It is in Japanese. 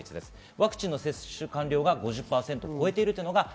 ワクチンの接種完了が５０％を超えています。